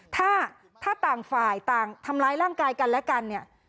ถ้าถ้าต่างฝ่ายต่างทำร้ายร่างกายกันและกันเนี่ย